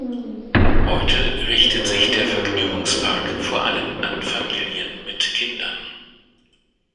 Heute richtet sich der Vergnügungspark vor allem an Familien mit Kindern.